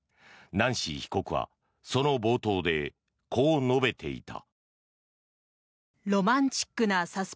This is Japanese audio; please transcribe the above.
ナンシー被告は、その冒頭でこう述べていた。